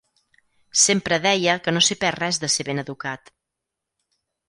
Sempre deia que no s'hi perd res de ser ben educat.